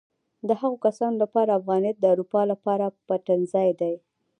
د هغو کسانو لپاره افغانیت د اروپا لپاره پټنځای دی.